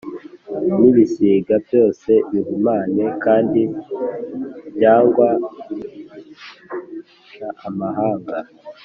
n ibisiga byose bihumanye kandi byangwa c Amahanga